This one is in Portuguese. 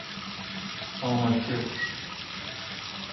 São Mateus